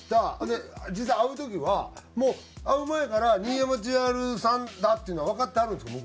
で実際会う時はもう会う前から新山千春さんだっていうのはわかってはるんですか？